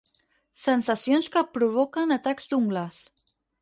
Sensacions que provoquen atacs d'ungles.